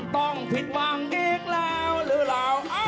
ต้องผิดหวังอีกแล้วหรือเปล่า